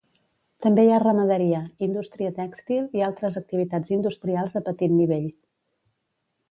També hi ha ramaderia, indústria tèxtil i altres activitats industrials a petit nivell.